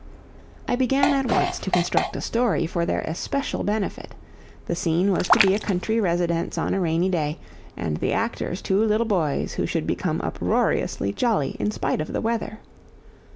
I began at once to construct a story for their especial benefit; the scene was to be a country residence on a rainy day, and the actors two little boys who should become uproariously jolly in spite of the weather.